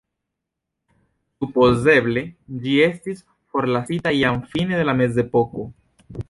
Supozeble ĝi estis forlasita jam fine de la mezepoko.